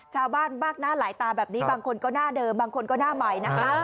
ชาวบ้านมากหน้าหลายตาแบบนี้บางคนก็หน้าเดิมบางคนก็หน้าใหม่นะคะ